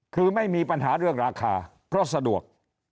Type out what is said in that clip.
คือไม่มีปัญหาเรื่องราคาเพราะสะดวก